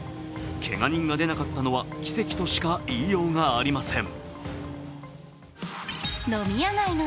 けが人が出なかったのは奇跡としか言いようがありません。